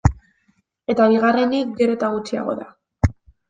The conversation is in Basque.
Eta bigarrenik, gero eta gutxiago da.